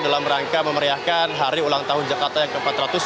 dalam rangka memeriahkan hari ulang tahun jakarta yang ke empat ratus dua puluh